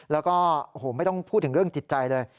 แล้วก็โอ้โหไม่ต้องพูดถึงเรื่องจิตใจเลย